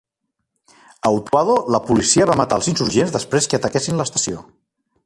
A Utuado, la policia va matar els insurgents després que ataquessin l'estació.